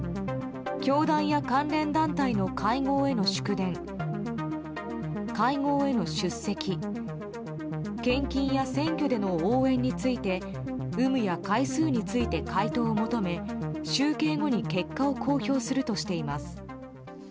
教団や関連団体の会合への祝電会合への出席献金や選挙での応援について有無や回数について回答を求め集計後に結果を公表するとしています。